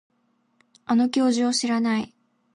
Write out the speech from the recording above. あの教授を知らない